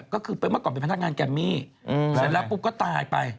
ก็คือเมื่อก่อนเป็นพนักงานแกมมี่เสร็จแล้วปุ๊บก็ตายไป